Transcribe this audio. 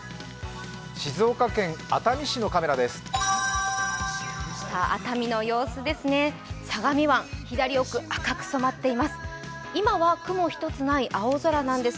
静岡県熱海市のカメラです。